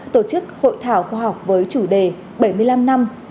tổ chức hội thảo khoa học với chủ đề bảy mươi năm năm